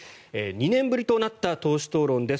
２年ぶりとなった党首討論です。